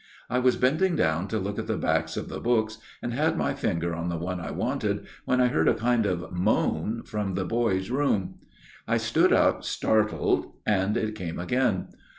" I was bending down to look at the backs of the books, and had my finger on the one I wanted when I heard a kind of moan from the boy's room. " I stood up, startled, and it came again.